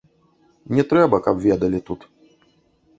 Не трэба, каб ведалі тут.